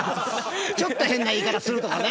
ちょっと変な言い方するとかね。